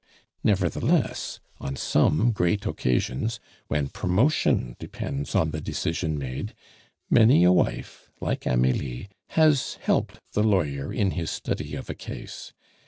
Nevertheless, on some great occasions, when promotion depends on the decision taken, many a wife, like Amelie, has helped the lawyer in his study of a case.